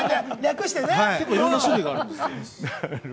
結構いろんな種類があるんですよ。